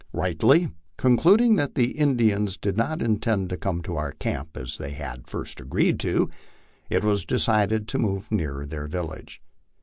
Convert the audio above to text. Rightly concluding that the Indians did not intend to come to our camp as they had at first agreed to, it was decided to move nearer to their village.